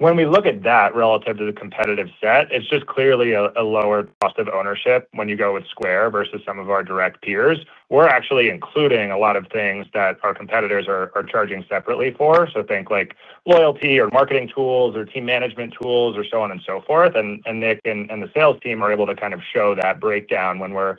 When we look at that relative to the competitive set, it's just clearly a lower cost of ownership when you go with Square versus some of our direct peers. We're actually including a lot of things that our competitors are charging separately for. So think like loyalty or marketing tools or team management tools or so on and so forth. And Nick and the sales team are able to kind of show that breakdown when we're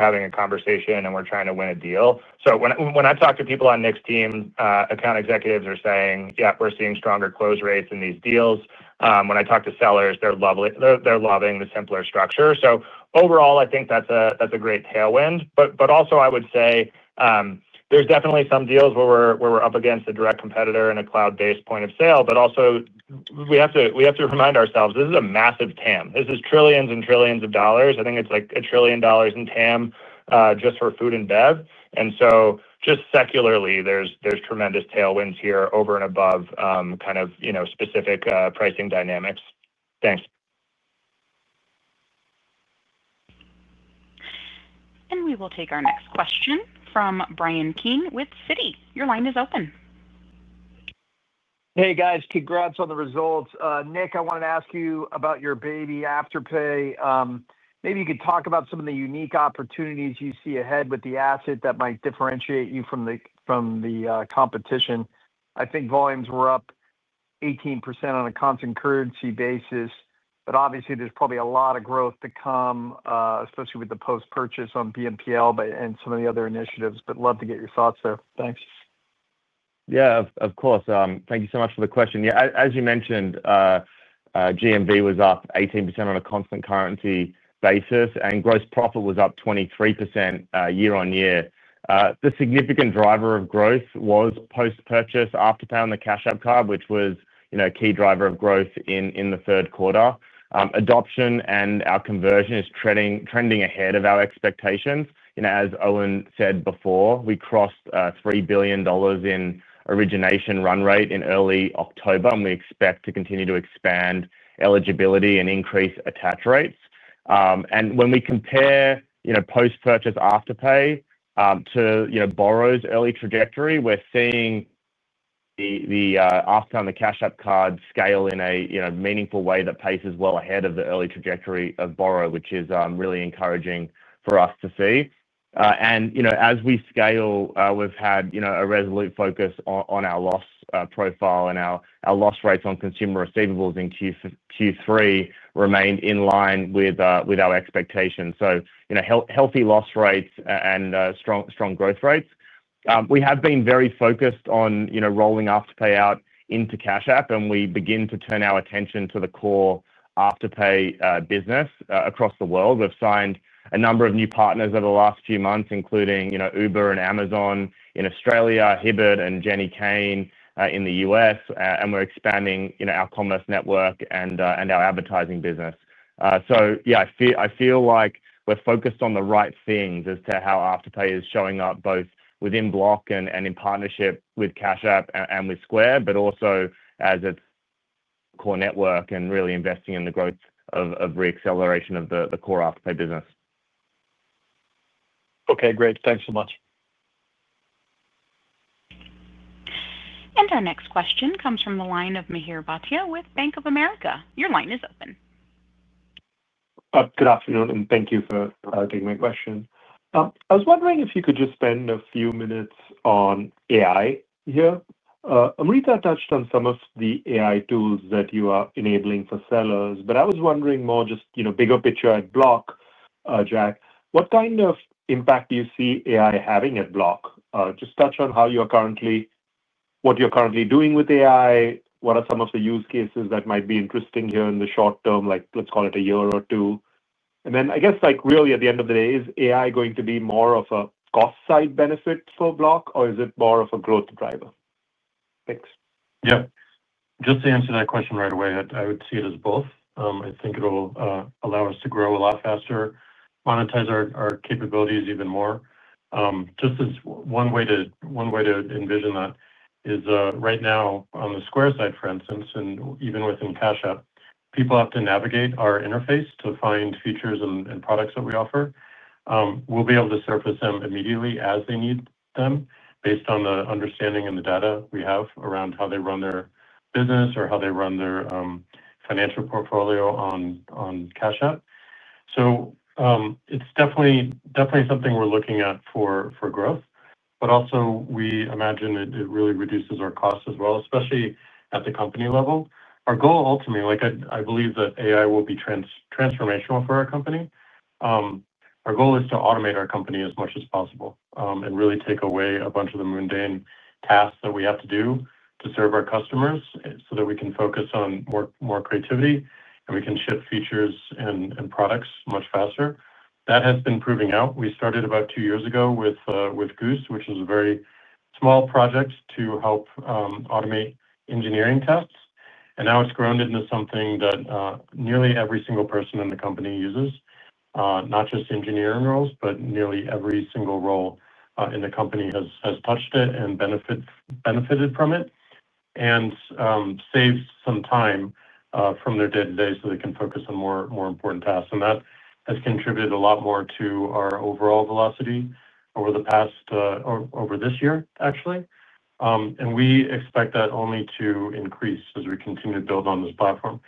having a conversation and we're trying to win a deal. So when I talk to people on Nick's team, account executives are saying, "Yeah, we're seeing stronger close rates in these deals." When I talk to sellers, they're loving the simpler structure. So overall, I think that's a great tailwind. But also, I would say. There's definitely some deals where we're up against a direct competitor and a cloud-based point of sale. But also, we have to remind ourselves, this is a massive TAM. This is trillions and trillions of dollars. I think it's like a trillion dollars in TAM just for food and bev. And so just secularly, there's tremendous tailwinds here over and above kind of specific pricing dynamics. Thanks. And we will take our next question from Brian King with Citi. Your line is open. Hey, guys. Congrats on the results. Nick, I wanted to ask you about your baby after pay. Maybe you could talk about some of the unique opportunities you see ahead with the asset that might differentiate you from the competition. I think volumes were up 18% on a constant currency basis, but obviously, there's probably a lot of growth to come, especially with the post-purchase on PMPL and some of the other initiatives. But love to get your thoughts there. Thanks. Yeah, of course. Thank you so much for the question. As you mentioned. GMV was up 18% on a constant currency basis, and gross profit was up 23% year-on-year. The significant driver of growth was post-purchase after pay on the Cash-up card, which was a key driver of growth in the third quarter. Adoption and our conversion is trending ahead of our expectations. As Owen said before, we crossed $3 billion in origination run rate in early October, and we expect to continue to expand eligibility and increase attach rates. And when we compare. Post-purchase after pay to. Borrow's early trajectory, we're seeing. The after on the Cash-up card scale in a meaningful way that paces well ahead of the early trajectory of Borrow, which is really encouraging for us to see. As we scale, we've had a resolute focus on our loss profile, and our loss rates on consumer receivables in Q3 remained in line with our expectations. So healthy loss rates and strong growth rates. We have been very focused on rolling Afterpay out into Cash-up, and we begin to turn our attention to the core Afterpay business across the world. We've signed a number of new partners over the last few months, including Uber and Amazon in Australia, Hibbett and Jenny Kane in the U.S., and we're expanding our commerce network and our advertising business. So yeah, I feel like we're focused on the right things as to how Afterpay is showing up both within Block and in partnership with Cash-up and with Square, but also as its core network and really investing in the growth of re-acceleration of the core Afterpay business. Okay, great. Thanks so much. And our next question comes from the line of Mihir Bhatia with Bank of America. Your line is open. Good afternoon, and thank you for taking my question. I was wondering if you could just spend a few minutes on AI here. Amrita touched on some of the AI tools that you are enabling for sellers, but I was wondering more just bigger picture at block, Jack. What kind of impact do you see AI having at block? Just touch on how you're currently. What you're currently doing with AI, what are some of the use cases that might be interesting here in the short term, like let's call it a year or two? And then I guess really at the end of the day, is AI going to be more of a cost side benefit for block, or is it more of a growth driver? Thanks. Yeah. Just to answer that question right away, I would see it as both. I think it'll allow us to grow a lot faster, monetize our capabilities even more. Just as one way to. Envision that is right now on the Square side, for instance, and even within Cash-up, people have to navigate our interface to find features and products that we offer. We'll be able to surface them immediately as they need them based on the understanding and the data we have around how they run their business or how they run their. Financial portfolio on Cash-up. So. It's definitely something we're looking at for growth, but also we imagine it really reduces our cost as well, especially at the company level. Our goal ultimately, like I believe that AI will be transformational for our company. Our goal is to automate our company as much as possible and really take away a bunch of the mundane tasks that we have to do to serve our customers so that we can focus on more creativity and we can shift features and products much faster. That has been proving out. We started about two years ago with Goose, which is a very small project to help automate engineering tests. And now it's grown into something that nearly every single person in the company uses, not just engineering roles, but nearly every single role in the company has touched it and benefited from it. And. Saves some time from their day-to-day so they can focus on more important tasks. And that has contributed a lot more to our overall velocity over this year, actually. And we expect that only to increase as we continue to build on this platform.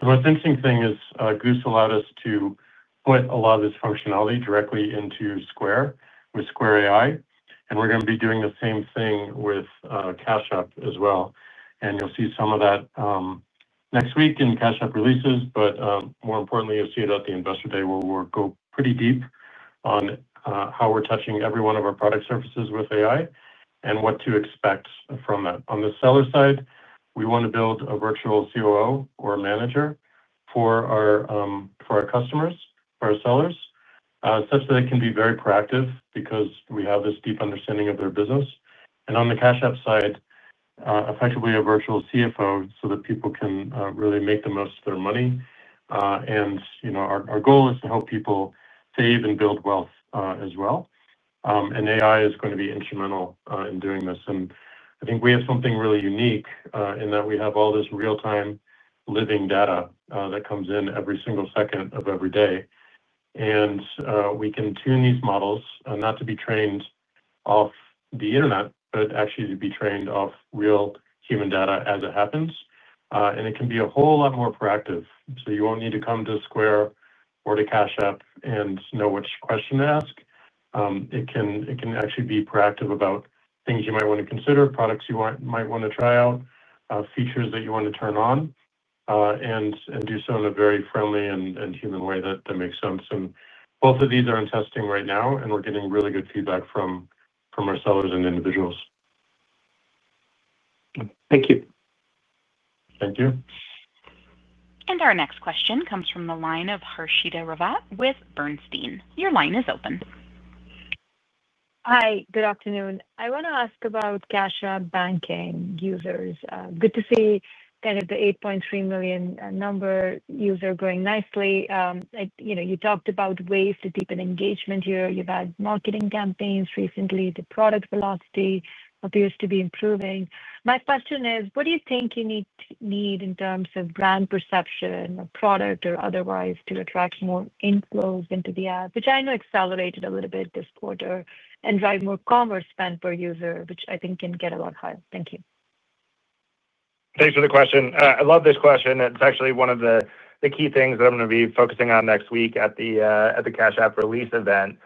The most interesting thing is Goose allowed us to put a lot of this functionality directly into Square with Square AI. And we're going to be doing the same thing with Cash-up as well. And you'll see some of that. Next week in Cash-up releases, but more importantly, you'll see it at the investor day where we'll go pretty deep on how we're touching every one of our product services with AI and what to expect from that. On the seller side, we want to build a virtual COO or manager for our. Customers, for our sellers, such that it can be very proactive because we have this deep understanding of their business. And on the Cash-up side, effectively a virtual CFO so that people can really make the most of their money. And our goal is to help people save and build wealth as well. And AI is going to be instrumental in doing this. And I think we have something really unique in that we have all this real-time living data that comes in every single second of every day. And we can tune these models not to be trained off the internet, but actually to be trained off real human data as it happens. And it can be a whole lot more proactive. So you won't need to come to Square or to Cash-up and know which question to ask. It can actually be proactive about things you might want to consider, products you might want to try out, features that you want to turn on. And do so in a very friendly and human way that makes sense. And both of these are in testing right now, and we're getting really good feedback from. Our sellers and individuals. Thank you. Thank you. And our next question comes from the line of Harshita Ravat with Bernstein. Your line is open. Hi, good afternoon. I want to ask about Cash-up banking users. Good to see kind of the 8.3 million number user growing nicely. You talked about ways to deepen engagement here. You've had marketing campaigns recently. The product velocity appears to be improving. My question is, what do you think you need in terms of brand perception or product or otherwise to attract more inflows into the app, which I know accelerated a little bit this quarter and drive more commerce spend per user, which I think can get a lot higher? Thank you. Thanks for the question. I love this question. It's actually one of the key things that I'm going to be focusing on next week at the Cash-up release event.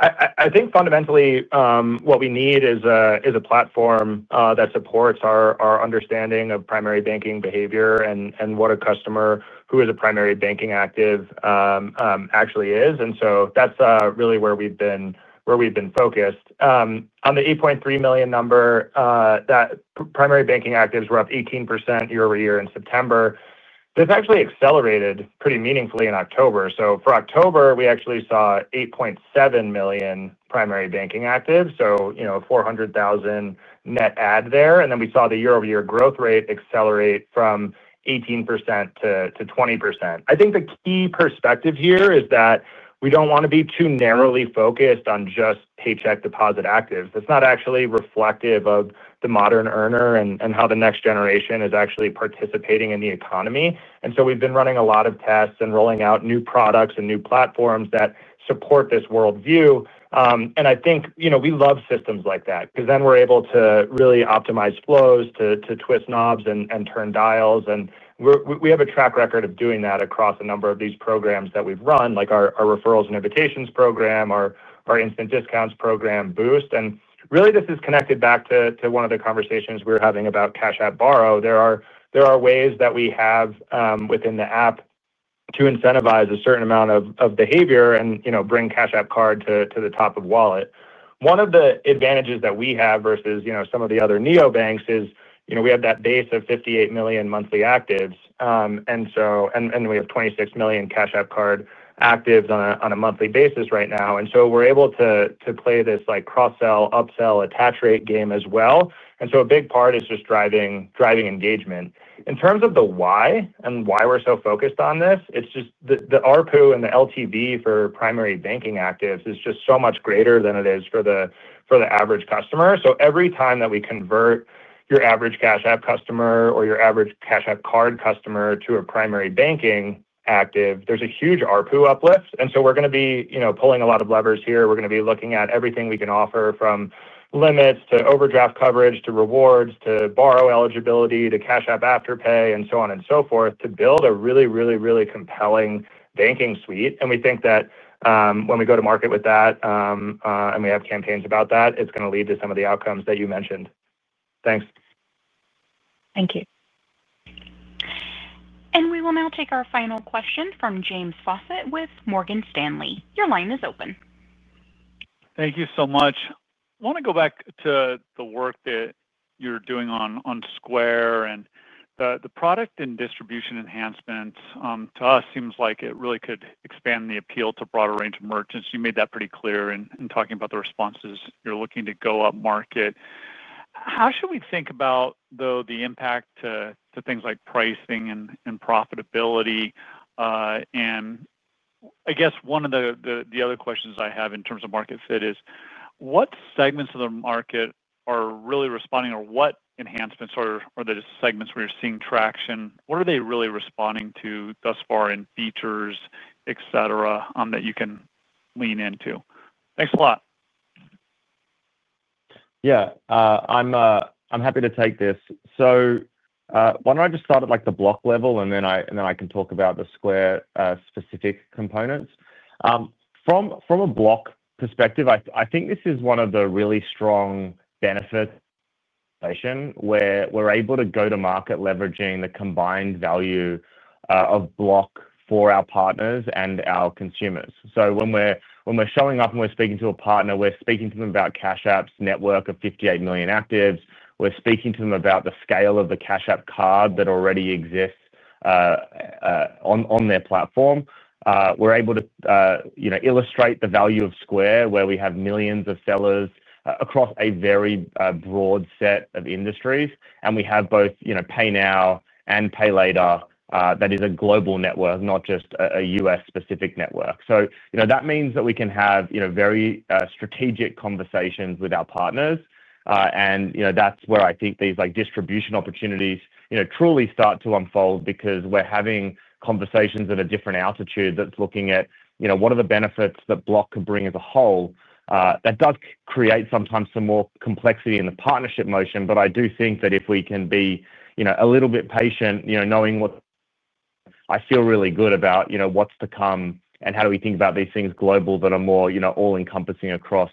I think fundamentally what we need is a platform that supports our understanding of primary banking behavior and what a customer who is a primary banking active. Actually is. And so that's really where we've been. Focused. On the 8.3 million number. That primary banking actives were up 18% year-over-year in September. This actually accelerated pretty meaningfully in October. So for October, we actually saw 8.7 million primary banking active, so 400,000 net add there. And then we saw the year-over-year growth rate accelerate from 18% to 20%. I think the key perspective here is that we don't want to be too narrowly focused on just paycheck deposit actives. It's not actually reflective of the modern earner and how the next generation is actually participating in the economy. And so we've been running a lot of tests and rolling out new products and new platforms that support this worldview. And I think we love systems like that because then we're able to really optimize flows to twist knobs and turn dials. And we have a track record of doing that across a number of these programs that we've run, like our referrals and invitations program, our instant discounts program, Boost. And really, this is connected back to one of the conversations we're having about Cash-up Borrow. There are ways that we have within the app to incentivize a certain amount of behavior and bring Cash-up Card to the top of Wallet. One of the advantages that we have versus some of the other neobanks is we have that base of 58 million monthly actives. And we have 26 million Cash-up Card actives on a monthly basis right now. And so we're able to play this cross-sell, upsell, attach rate game as well. And so a big part is just driving engagement. In terms of the why and why we're so focused on this, it's just the ARPU and the LTV for primary banking actives is just so much greater than it is for the average customer. So every time that we convert your average Cash-up customer or your average Cash-up Card customer to a primary banking active, there's a huge ARPU uplift. And so we're going to be pulling a lot of levers here. We're going to be looking at everything we can offer from. Limits to overdraft coverage to rewards to borrow eligibility to Cash-up after pay and so on and so forth to build a really, really, really compelling banking suite. And we think that. When we go-to-market with that. And we have campaigns about that, it's going to lead to some of the outcomes that you mentioned. Thanks. Thank you. And we will now take our final question from James Fawcett with Morgan Stanley. Your line is open. Thank you so much. I want to go back to the work that you're doing on Square and the product and distribution enhancements. To us, it seems like it really could expand the appeal to a broader range of merchants. You made that pretty clear in talking about the responses. You're looking to go up market. How should we think about, though, the impact to things like pricing and profitability? And I guess one of the other questions I have in terms of market fit is what segments of the market are really responding or what enhancements are the segments where you're seeing traction? What are they really responding to thus far in features, etc., that you can lean into? Thanks a lot. Yeah. I'm happy to take this. So. Why don't I just start at the block level, and then I can talk about the Square-specific components? From a block perspective, I think this is one of the really strong benefits. Where we're able to go-to-market leveraging the combined value of block for our partners and our consumers. So when we're showing up and we're speaking to a partner, we're speaking to them about Cash-up's network of 58 million actives. We're speaking to them about the scale of the Cash-up Card that already exists. On their platform. We're able to. Illustrate the value of Square, where we have millions of sellers across a very broad set of industries. And we have both PayNow and PayLater that is a global network, not just a U.S.-specific network. So that means that we can have very strategic conversations with our partners. And that's where I think these distribution opportunities truly start to unfold because we're having conversations at a different altitude that's looking at what are the benefits that block could bring as a whole. That does create sometimes some more complexity in the partnership motion, but I do think that if we can be a little bit patient, knowing what. I feel really good about what's to come and how do we think about these things global that are more all-encompassing across.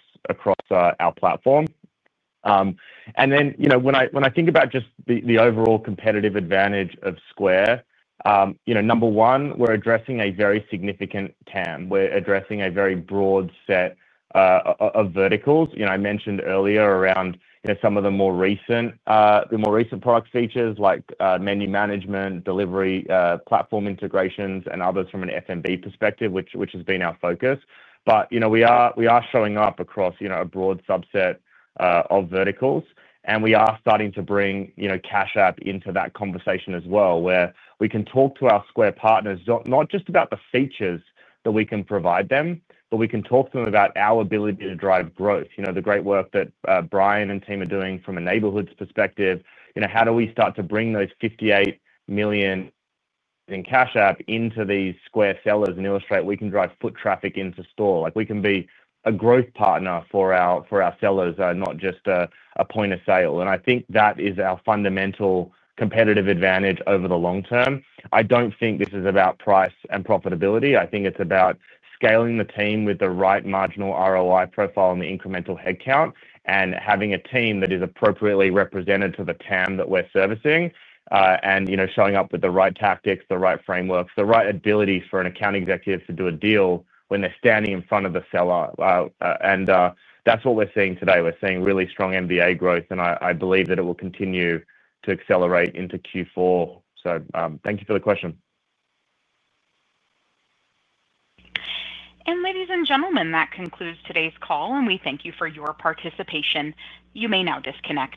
Our platform. And then when I think about just the overall competitive advantage of Square. Number one, we're addressing a very significant TAM. We're addressing a very broad set. Of verticals. I mentioned earlier around some of the more recent. Product features like menu management, delivery platform integrations, and others from an FMB perspective, which has been our focus. But we are showing up across a broad subset of verticals. And we are starting to bring Cash-up into that conversation as well, where we can talk to our Square partners, not just about the features that we can provide them, but we can talk to them about our ability to drive growth. The great work that Brian and team are doing from a neighborhood's perspective, how do we start to bring those 58 million. In Cash-up into these Square sellers and illustrate we can drive foot traffic into store. We can be a growth partner for our sellers, not just a point of sale. And I think that is our fundamental competitive advantage over the long term. I don't think this is about price and profitability. I think it's about scaling the team with the right marginal ROI profile and the incremental headcount and having a team that is appropriately represented to the TAM that we're servicing and showing up with the right tactics, the right frameworks, the right ability for an account executive to do a deal when they're standing in front of the seller. And that's what we're seeing today. We're seeing really strong MBA growth, and I believe that it will continue to accelerate into Q4. So thank you for the question. And ladies and gentlemen, that concludes today's call, and we thank you for your participation. You may now disconnect.